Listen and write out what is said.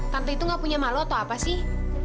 tante itu gak punya malu atau apa sih